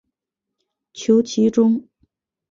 求其中